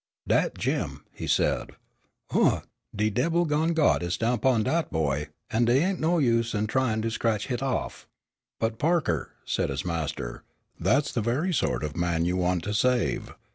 "Dat Jim," he said, "Oomph, de debbil done got his stamp on dat boy, an' dey ain' no use in tryin' to scratch hit off." "But Parker," said his master, "that's the very sort of man you want to save.